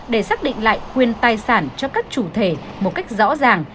để xác định lại quyền tài sản cho các chủ thể một cách rõ ràng